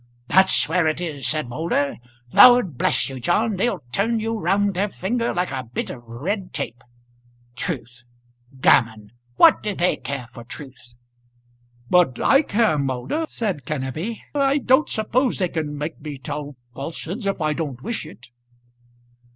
"That's where it is," said Moulder. "Lord bless you, John, they'll turn you round their finger like a bit of red tape. Truth! Gammon! What do they care for truth?" "But I care, Moulder," said Kenneby. "I don't suppose they can make me tell falsehoods if I don't wish it."